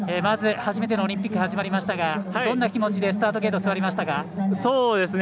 初めてのオリンピック始まりましたがどんな気持ちでスタートゲート座りましたか。